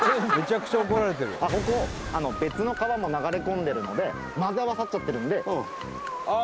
ここ別の川も流れ込んでるので混ぜ合わさっちゃってるんでああ